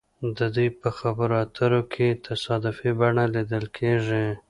د دوی په خبرو اترو کې تصادفي بڼه لیدل کیږي